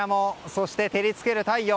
そして照りつける太陽。